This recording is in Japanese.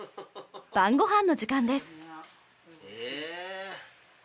晩ごはんの時間です。